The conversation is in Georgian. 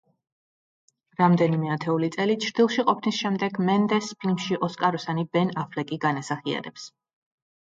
რამდენიმე ათეული წელი ჩრდილში ყოფნის შემდეგ მენდესს ფილმში ოსკაროსანი ბენ აფლეკი განასახიერებს.